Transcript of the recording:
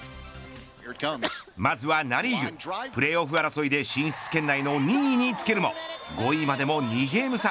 まずは、ナ・リーグプレーオフ争いで進出圏内の２位につけるも５位までも２ゲーム差。